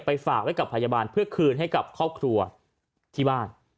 ฝากไว้กับพยาบาลเพื่อคืนให้กับครอบครัวที่บ้าน